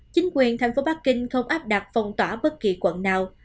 chính quyền thành phố bắc kinh không áp đặt phong tỏa bất kỳ quận nào